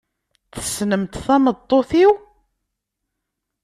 Tessnemt tameṭṭut-iw?